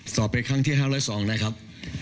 สอบไปครั้งที่๕๐๒นะครับ